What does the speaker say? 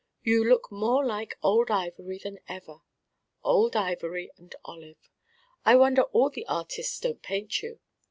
You look more like old ivory than ever old ivory and olive. I wonder all the artists don't paint you.